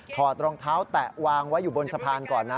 รองเท้าแตะวางไว้อยู่บนสะพานก่อนนะ